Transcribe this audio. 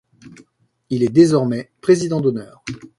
Il est désormais président d'honneur.